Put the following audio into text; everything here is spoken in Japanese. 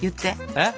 えっ？